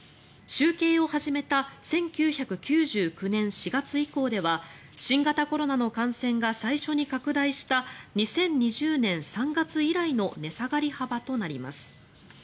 集計を始めた１９９９年４月以降では新型コロナの感染が最初に拡大した２０２０年３月以来の値下がり幅となります。